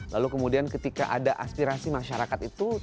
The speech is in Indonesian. lalu kemudian ketika ada aspirasi masyarakat itu